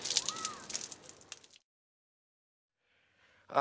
あ。